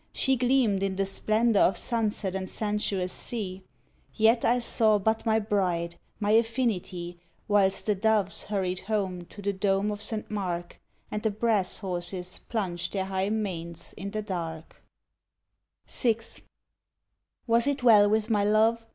She gleamed In the splendor of sunset and sensuous sea; Yet I saw but my bride, my affinity, While the doves hurried home to the dome of Saint Mark And the brass horses plunged their high manes in the dark, VI. Was it well with my love?